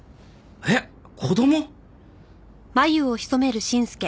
えっ子供！？